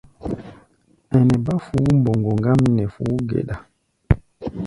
Ɛnɛ bá fuú-mboŋgo ŋgám nɛ fuú-geɗa.